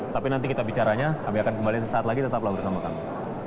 tapi nanti kita bicaranya kami akan kembali sesaat lagi tetap lagi bersama sama